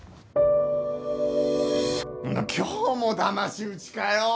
今日もだまし討ちかよ！